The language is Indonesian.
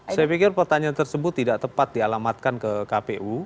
saya pikir pertanyaan tersebut tidak tepat dialamatkan ke kpu